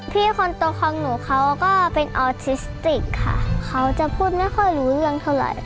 พี่คนโตของหนูเขาก็เป็นออทิสติกค่ะเขาจะพูดไม่ค่อยรู้เรื่องเท่าไหร่